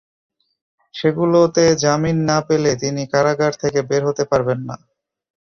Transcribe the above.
সেগুলোতে জামিন না পেলে তিনি কারাগার থেকে বের হতে পারবেন না।